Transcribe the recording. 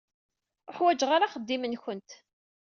Ur ḥwaǧeɣ ara axeddim-nkent.